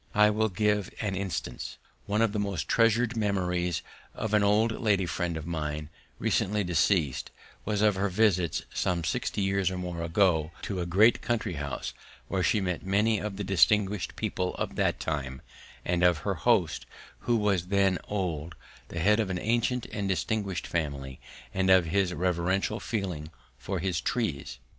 I will give an instance. One of the most treasured memories of an old lady friend of mine, recently deceased, was of her visits, some sixty years or more ago, to a great country house where she met many of the distinguished people of that time, and of her host, who was then old, the head of an ancient and distinguished family, and of his reverential feeling for his trees.